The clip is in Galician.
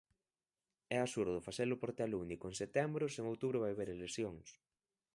É absurdo facer o portelo único en setembro se en outubro vai haber eleccións.